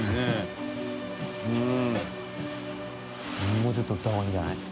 もうちょっと打った方がいいんじゃない？